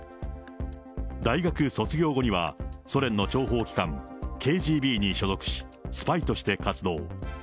大学卒業後には、ソ連の諜報機関、ＫＧＢに所属し、スパイとして活動。